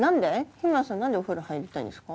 日村さん何でお風呂入りたいんですか？